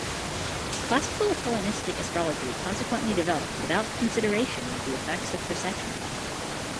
Classical Hellenistic astrology consequently developed without consideration of the effects of precession.